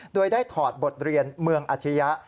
โดยได้ถอดบทเรียนเมืองอัธิยะ